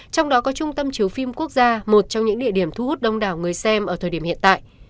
trong đó có trung tâm chiếu phim quốc gia một trong những địa điểm thu hút đông đảo người xem ở thời điểm hiện tại